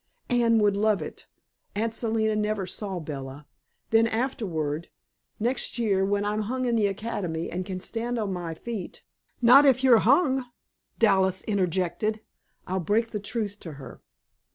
Anne would love it. Aunt Selina never saw Bella. Then, afterward, next year, when I'm hung in the Academy and can stand on my feet" ("Not if you're hung," Dallas interjected.) "I'll break the truth to her."